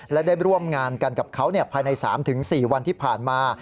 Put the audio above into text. และได้ร่วมงานกันกับเขาภายใน๓๔วันที่ผ่านมา